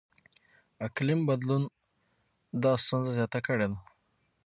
اقلیم بدلون دا ستونزه زیاته کړې ده.